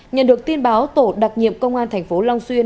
nhận được tin báo tổ đặc nhiệm công an thành phố long xuyên